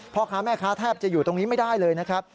พ่อค้าแม่ค้าแทบจะอยู่ตรงนี้ไม่ได้เลยนะครับ